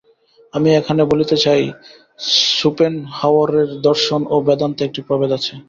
আমি এখানে বলিতে চাই, শোপেনহাওয়ারের দর্শন ও বেদান্তে একটি প্রভেদ আছে।